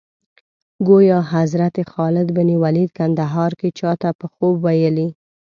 ګویا حضرت خالد بن ولید کندهار کې چا ته په خوب ویلي.